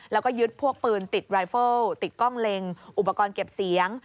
แล้วก็ยึดพวกปืนติดรายเฟิลติดกล้องเล็งอุปกรณ์เก็บเสียง